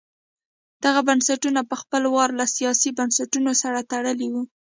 دغه بنسټونه په خپل وار له سیاسي بنسټونو سره تړلي وو.